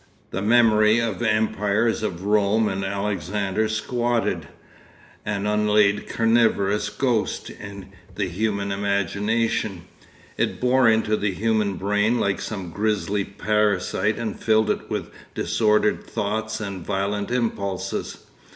The memory of the empires of Rome and Alexander squatted, an unlaid carnivorous ghost, in the human imagination—it bored into the human brain like some grisly parasite and filled it with disordered thoughts and violent impulses.